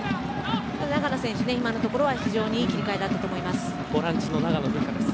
長野選手、今のところは非常にいい切り替えだったと思います。